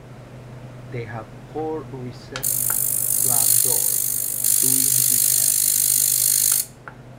They have four recessed slam doors, two in each end.